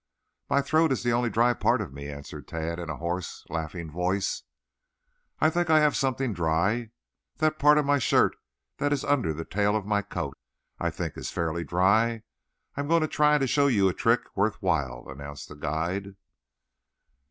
"My throat is the only dry part of me," answered Tad in a hoarse, laughing voice. "I think I have something dry. That part of my shirt that is under the tail of my coat I think is fairly dry. I am going to try to show you a trick worth while," announced the guide.